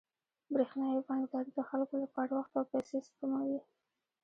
برېښنايي بانکداري د خلکو لپاره وخت او پیسې سپموي.